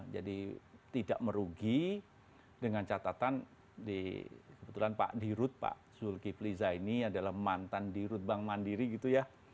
jadi tidak merugi dengan catatan di sebetulan pak dirut pak zulkifliza ini adalah mantan dirut bank mandiri gitu ya